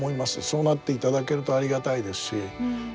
そうなっていただけるとありがたいですし